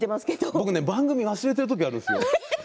僕、番組を忘れている時あるんですよ。